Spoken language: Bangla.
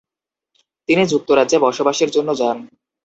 তিনি যুক্তরাজ্যে বসবাসের জন্য যান।